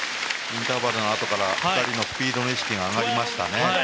インターバルのあとから２人のスピードの意識が上がりましたね。